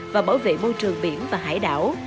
và bảo vệ môi trường biển và hải đảo